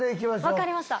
分かりました。